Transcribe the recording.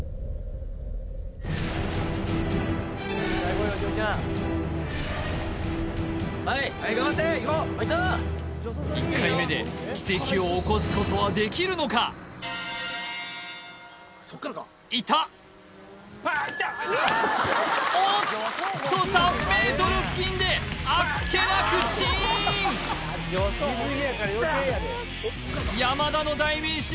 怖ないはい頑張っていこうファイト１回目で奇跡を起こすことはできるのかいったおっと３ｍ付近であっけなくチーンイッタ！